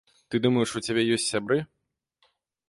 Ты думаеш, у цябе ёсць сябры?